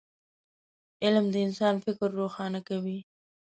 علم د انسان فکر روښانه کوي